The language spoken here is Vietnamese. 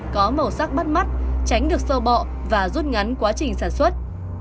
có màu sắc bắt mắt tránh được sâu bọ và rút ngắn quá trình sản xuất